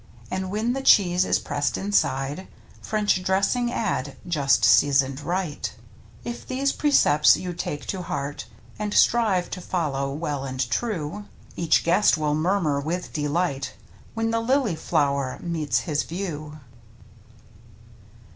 And when the cheese is pressed inside French dressing add, just seasoned right. If these precepts you take to heart, And strive to follow well and true, Each guest will murmur with delight When the lily flower meets his view.